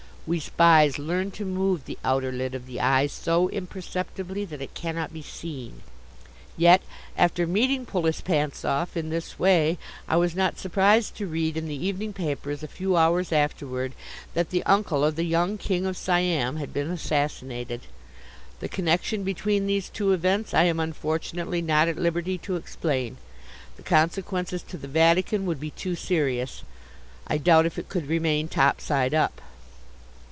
(We Spies learn to move the outer lid of the eye so imperceptibly that it cannot be seen.) Yet after meeting Poulispantzoff in this way I was not surprised to read in the evening papers a few hours afterward that the uncle of the young King of Siam had been assassinated. The connection between these two events I am unfortunately not at liberty to explain; the consequences to the Vatican would be too serious. I doubt if it could remain top side up.